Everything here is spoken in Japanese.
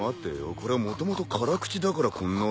これはもともと辛口だからこんな味なのか？